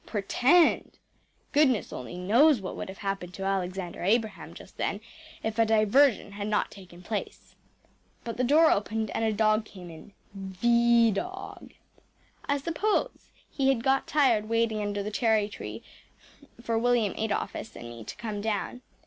‚ÄĚ Pretend! Goodness only knows what would have happened to Alexander Abraham just then if a diversion had not taken place. But the door opened and a dog came in THE dog. I suppose he had got tired waiting under the cherry tree for William Adolphus and me to come down.